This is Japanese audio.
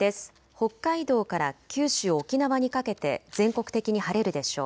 北海道から九州、沖縄にかけて全国的に晴れるでしょう。